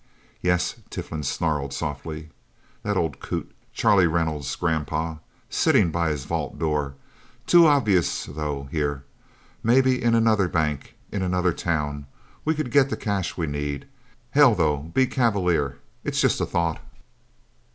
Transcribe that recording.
"Yeah," Tiflin snarled softly. "That old coot, Charlie Reynolds' grandpa, sitting by his vault door. Too obvious, though here. Maybe in another bank in another town. We could get the cash we need. Hell, though be cavalier it's just a thought."